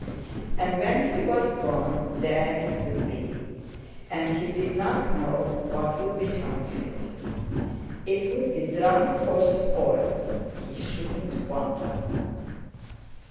And when he was gone there it would be, and he didn't know what would become of it. It'd be drunk or spoiled, he shouldn't wonder!